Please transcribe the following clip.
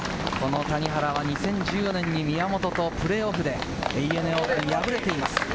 この谷原は２０１４年に宮本とプレーオフでＡＮＡオープンに敗れています。